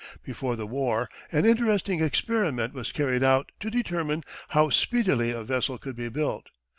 Before the war an interesting experiment was carried out to determine how speedily a vessel could be built.